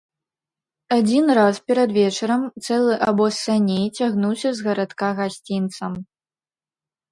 Адзін раз перад вечарам цэлы абоз саней цягнуўся з гарадка гасцінцам.